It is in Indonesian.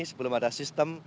sebelum ada sistem